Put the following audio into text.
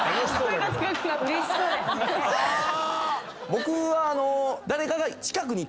僕は。